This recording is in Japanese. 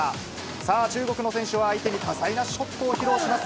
さあ、中国の選手を相手に、多彩なショットを披露します。